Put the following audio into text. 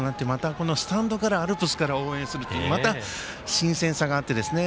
このスタンドアルプスから応援するってまた、新鮮さがあってですね。